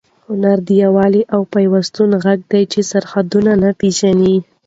هنر د یووالي او پیوستون غږ دی چې سرحدونه نه پېژني.